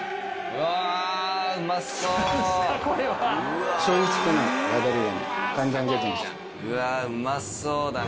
うわうまそうだ